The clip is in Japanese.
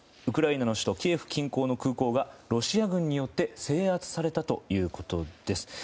ウクライナの首都キエフ近郊の空港がロシア軍によって制圧されたということです。